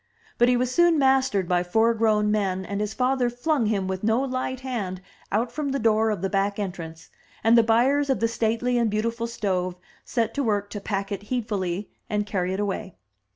But he was soon mastered by four grown men, and his father flung him with no light hand out from the door of the back entrance, and the buyers of the stately and beautiful stove set to work to pack it heed fully and carry it away.